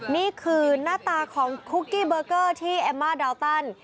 นี่คือหน้าตาของคุกกี้เบอร์เกอร์ที่แอมมาดาวตัน